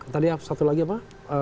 tadi satu lagi apa